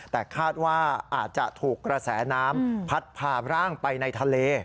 แต่คาดว่าอาจจะถูกกระแสน้ำพัดพาร่างไปในทะเล